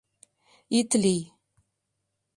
Ит лий